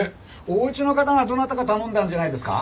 おうちの方がどなたか頼んだんじゃないですか？